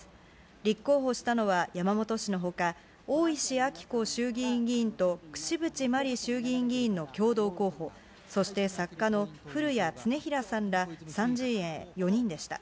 立候補したのは山本氏のほか、大石晃子衆議院議員と、櫛渕万里衆議院議員の共同候補、そして作家の古谷経衡さんら３陣営４人でした。